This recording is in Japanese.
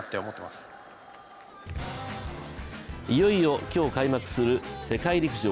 いよいよ今日開幕する世界陸上。